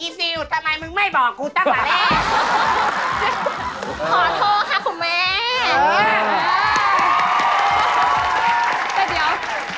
อีฟฟิลล์ทำไมไม่บอกกูตั้งไว้แแลก